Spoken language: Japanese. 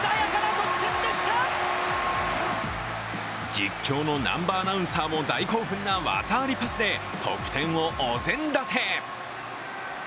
実況の南波アナウンサーも大興奮な技ありパスで得点をお膳立て。